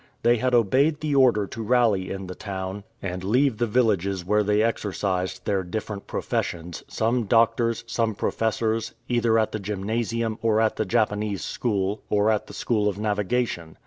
They had obeyed the order to rally in the town, and leave the villages where they exercised their different professions, some doctors, some professors, either at the Gymnasium, or at the Japanese School, or at the School of Navigation.